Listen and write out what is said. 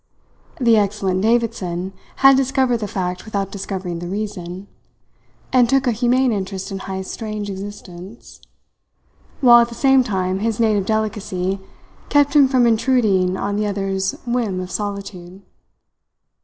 The excellent Davidson had discovered the fact without discovering the reason, and took a humane interest in Heyst's strange existence, while at the same time his native delicacy kept him from intruding on the other's whim of solitude.